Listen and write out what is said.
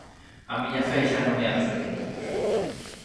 A miña fe xa non é a dos pequeniños.